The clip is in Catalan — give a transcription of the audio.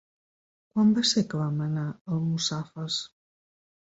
Quan va ser que vam anar a Almussafes?